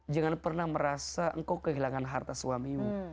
jangan pernah merasa engkau kehilangan harta suamimu